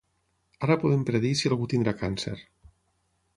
Ara podem predir si algú tindrà càncer.